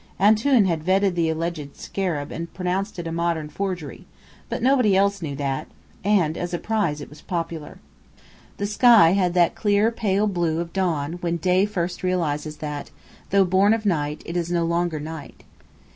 "Antoun" had "vetted" the alleged scarab and pronounced it a modern forgery; but nobody else knew that, and as a prize it was popular. The sky had that clear pale blue of dawn, when day first realizes that, though born of night, it is no longer night.